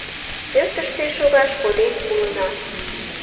Пӧртыштӧ шогаш коден улына.